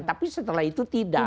tapi setelah itu tidak